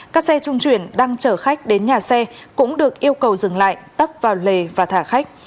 các xe trung chuyển đang chở khách đến nhà xe cũng được yêu cầu dừng lại tấp vào lề và thả khách